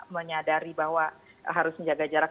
menyadari bahwa harus menjaga jarak